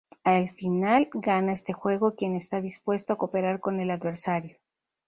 Al final gana este juego quien está dispuesto a cooperar con el adversario.